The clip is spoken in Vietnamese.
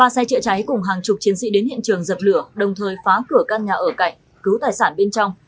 ba xe chữa cháy cùng hàng chục chiến sĩ đến hiện trường dập lửa đồng thời phá cửa căn nhà ở cạnh cứu tài sản bên trong